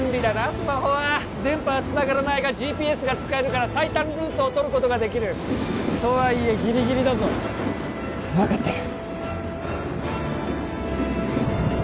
スマホは電波はつながらないがＧＰＳが使えるから最短ルートをとることができるとはいえギリギリだぞ分かってる